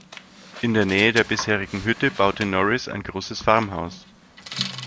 In der Nähe der bisherigen Hütte baute Norris ein großes Farmhaus.